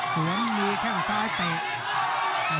สวมมีแข้งซ้ายเตะ